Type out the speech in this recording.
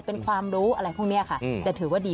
เป็นความรู้อะไรพวกนี้ค่ะแต่ถือว่าดี